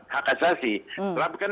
hak asasi trump kan